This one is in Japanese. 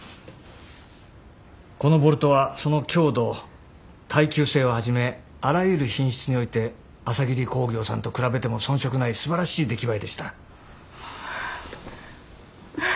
このボルトはその強度耐久性をはじめあらゆる品質において朝霧工業さんと比べても遜色ないすばらしい出来栄えでした。